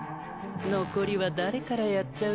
残りは誰からやっちゃう？